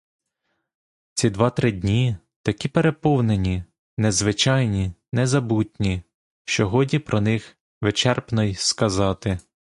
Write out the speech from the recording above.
Ці два-три дні такі переповнені, незвичайні, незабутні, що годі про них вичерпно й сказати.